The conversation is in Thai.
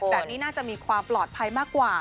แบบนี้น่าจะมีความปลอดภัยมากกว่า